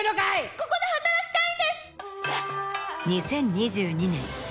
ここで働きたいんです！